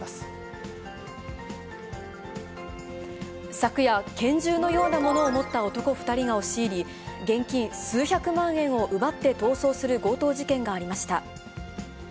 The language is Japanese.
昨夜、拳銃のようなものを持った男２人が押し入り、現金数百万円を奪って逃走する強盗事件がありました。